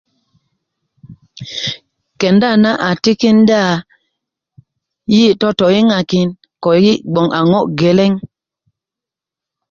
kenda na a tikinda yi totoyiŋaki ko yi bgoŋ a ŋo geleŋ